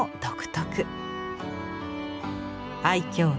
愛きょう